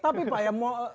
tapi pak ya